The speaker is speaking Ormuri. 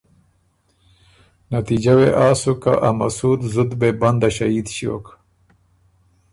نتیجۀ وې آ سُک که ا مسُود زت بې بنده ݭهید ݭیوک